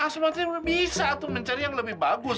asma tuh bisa tuh mencari yang lebih bagus